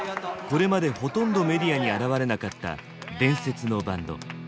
これまでほとんどメディアに現れなかった伝説のバンド。